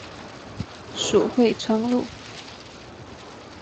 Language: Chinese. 属会川路。